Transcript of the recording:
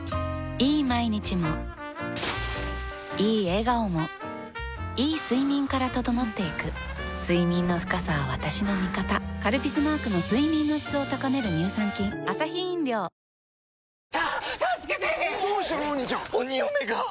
いい毎日もいい笑顔もいい睡眠から整っていく睡眠の深さは私の味方「カルピス」マークの睡眠の質を高める乳酸菌チチンペイペイソフトバンク！